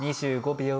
２５秒。